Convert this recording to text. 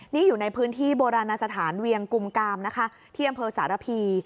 นี่อยู่ในพื้นที่โบราณสถานเวียงกุมกามนะคะที่อำเภอสารพี